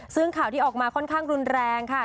ซึ่งข่าวที่ออกมาค่อนข้างรุนแรงค่ะ